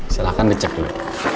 silahkan dicek dulu